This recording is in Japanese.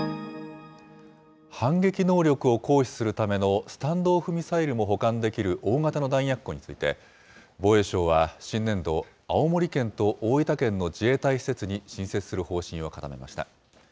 反撃能力を行使するためのスタンド・オフ・ミサイルも保管できる大型の弾薬庫について、防衛省は、新年度、青森県と大分県の自衛隊施設に新設する方針を固めました。